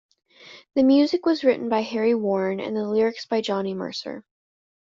The music was written by Harry Warren, and the lyrics by Johnny Mercer.